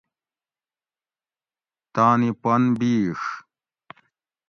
تانی پن بِیڛ